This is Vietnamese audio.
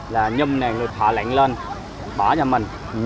là nhâm này họ lệnh lên bỏ cho mình